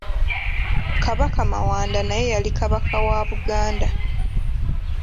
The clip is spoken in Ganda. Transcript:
Kabaka mawanda naye yali Kabaka wa Buganda